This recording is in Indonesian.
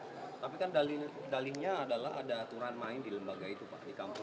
tapi kan dalihnya adalah ada aturan main di lembaga itu pak